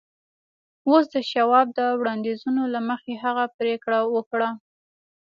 اوس د شواب د وړاندیزونو له مخې هغه پرېکړه وکړه